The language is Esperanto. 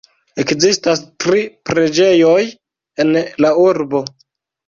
Ekzistas tri preĝejoj en la urbo.